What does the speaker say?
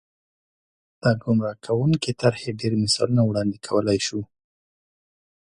د ګمراه کوونکې طرحې ډېر مثالونه وړاندې کولای شو.